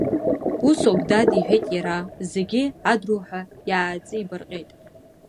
Усоуп, дад, — иҳәеит иара, зегьы адруҳәа иааҵибарҟьеит.